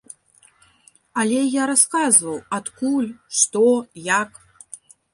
Але я расказваў, адкуль, што, як.